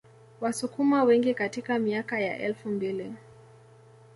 Wasukuma wengi katika miaka ya elfu mbili